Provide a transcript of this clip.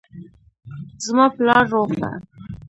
زما پلار روغ ده